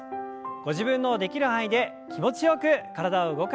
ご自分のできる範囲で気持ちよく体を動かしていきましょう。